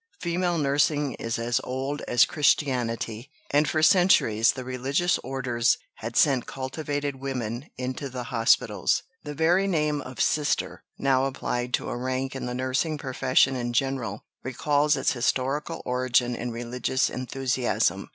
Female nursing is as old as Christianity, and for centuries the religious Orders had sent cultivated women into the hospitals. The very name of "Sister," now applied to a rank in the nursing profession in general, recalls its historical origin in religious enthusiasm.